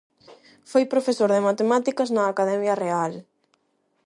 Foi profesor de matemáticas na Academia Real.